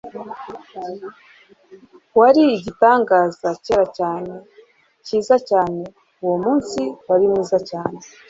wari igitangaza, cyera cyane, cyiza cyane, uwo munsi wari mwiza cyane